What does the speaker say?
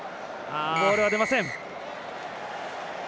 ボールは出ません。